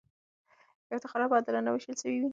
افتخارات به عادلانه وېشل سوي وي.